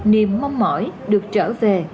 niềm mong mỏi được trở về